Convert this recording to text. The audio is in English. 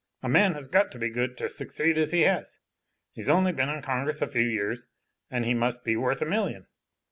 A man has got to be good to succeed as he has. He's only been in Congress a few years, and he must be worth a million.